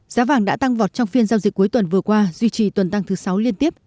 giá vàng đã tăng vọt trong phiên giao dịch cuối tuần vừa qua duy trì tuần tăng thứ sáu liên tiếp